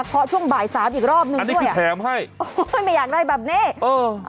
เคาะช่วงบ่ายสามอีกรอบนึงด้วยอันนี้พี่แถมให้ไม่อยากได้แบบเนี้ยเออ